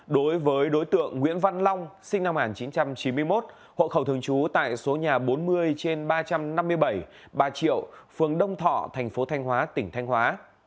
đối với đối tượng nguyễn văn long sinh năm một nghìn chín trăm chín mươi một hộ khẩu thường trú tại số nhà bốn mươi trên ba trăm năm mươi bảy ba triệu phường đông thọ thành phố thanh hóa tỉnh thanh hóa